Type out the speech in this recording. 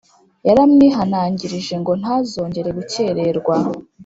yaramwihanangirije ngo ntazongere gukererwa.